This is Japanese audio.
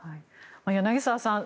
柳澤さん